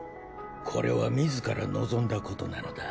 これは自ら望んだことなのだ。